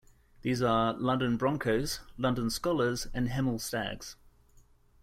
These are, London Broncos, London Skolars and Hemel Stags.